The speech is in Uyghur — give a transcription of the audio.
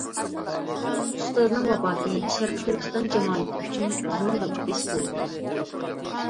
ئۇستازنىڭ ۋاپاتى شەرقىي تۈركىستان جامائىتى ئۈچۈن زور يوقىتىش بولدى.